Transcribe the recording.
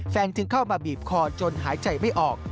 จึงเข้ามาบีบคอจนหายใจไม่ออก